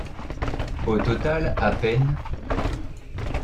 Au total à peine …